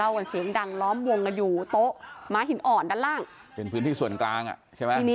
ไอเนี่ยมันอยู่ชั้นสาม